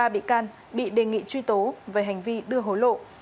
hai mươi ba bị can bị đề nghị truy tố về hành vi đưa hối lộ